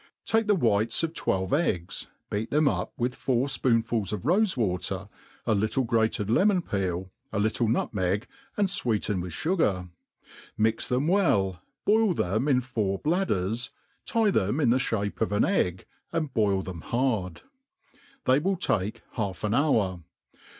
TAKE the whites of twelve eggs, beat them, up fsfithfoui^ fpoonfuls of rofe water, a little grated lemon^peei, a little nu& meg, and fweeten with fugar; mix them well, >4>oil them in four bladders, tie them inthe fhiape of an egg, and boil them hard. T^hey will take half an hour.